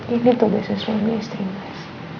ini tuh beza suami istri mas